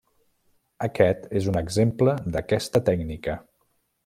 Aquest és un exemple d'aquesta tècnica.